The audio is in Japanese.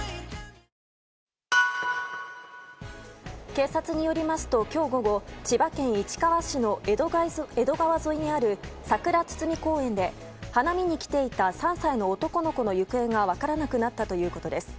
警察によりますと今日午後、千葉県市川市の江戸川沿いにあるさくら堤公園で花見に来ていた３歳の男の子の行方が分からなくなったということです。